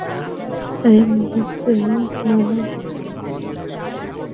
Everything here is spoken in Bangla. আর এই মুহূর্তে, মানো বা না মানো, তুমি এখনও একটা বাচ্চা।